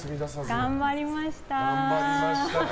頑張りました。